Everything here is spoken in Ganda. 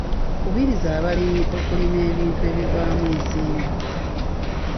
Kubiriza abalimi okulima ebintu ebivaamu ensimbi.